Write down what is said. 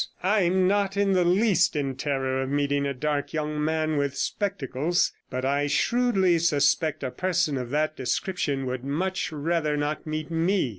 I'm not in the least in terror of meeting a dark young man with spectacles, but I shrewdly suspect a person of that description would much rather not meet me.